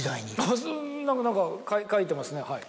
あっ何か何か書いてますねはい。